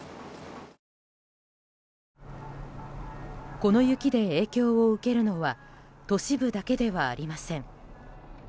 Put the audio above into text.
この雪で影響を受けるのは都市部だけではありません。